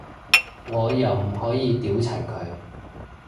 我又唔可以屌柒佢